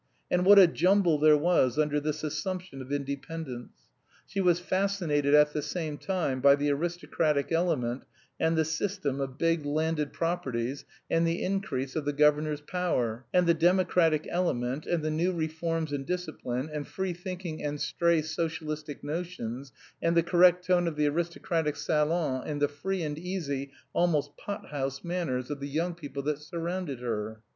And what a jumble there was under this assumption of independence! She was fascinated at the same time by the aristocratic element and the system of big landed properties and the increase of the governor's power, and the democratic element, and the new reforms and discipline, and free thinking and stray Socialistic notions, and the correct tone of the aristocratic salon and the free and easy, almost pot house, manners of the young people that surrounded her.